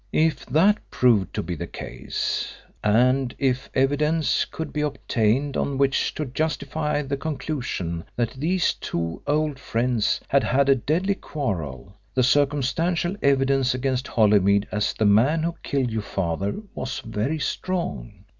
"If that proved to be the case, and if evidence could be obtained on which to justify the conclusion that these two old friends had had a deadly quarrel, the circumstantial evidence against Holymead as the man who killed your father was very strong.